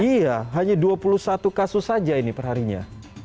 iya hanya dua puluh satu kasus saja ini perharinya